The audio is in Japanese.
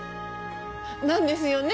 なんですよね？